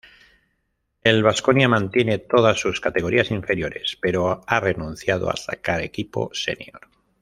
El Vasconia mantiene todas sus categorías inferiores, pero ha renunciado a sacar equipo senior.